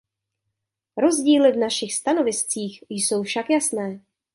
Rozdíly v našich stanoviscích jsou však jasné.